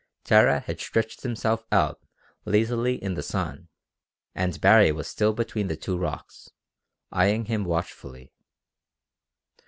Tara had stretched himself out lazily in the sun and Baree was still between the two rocks, eyeing him watchfully.